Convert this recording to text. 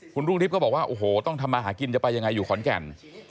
คุณรุ่งทิพย์ก็บอกว่าโอ้โหต้องทำมาหากินจะไปยังไงอยู่ขอนแก่น